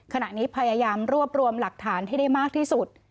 ขณะนี้พยายามรวบรวมหลักฐานให้ได้มากที่สุด